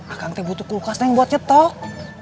akang teh butuh kulkas neng buat nyetok